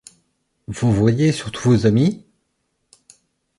Vous voyez surtout vos amis ?